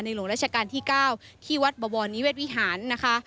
หลวงราชการที่๙ที่วัดบวรนิเวศวิหารนะคะ